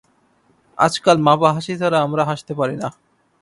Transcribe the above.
আজকাল মাপা হাসি ছাড়া আমরা হাসতে পারি না।